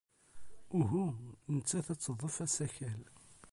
Uhu, nettat ad teḍḍef asakal.